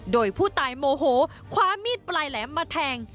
โดยผู้ตายโมโหคว้ามีดปลายแหลมมาแทง